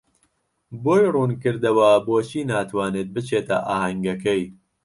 بۆی ڕوون کردەوە بۆچی ناتوانێت بچێتە ئاهەنگەکەی.